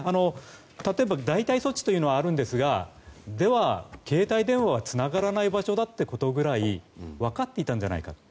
例えば、代替措置というのはあるんですがでは、携帯電話がつながらない場所だということぐらい分かっていたんじゃないか。